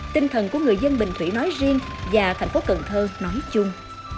tinh thần của người dân bình thủy nói riêng và thành phố cần thơ nói chung